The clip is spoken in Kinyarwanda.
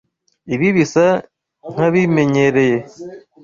Ibi bisa nkabimenyereye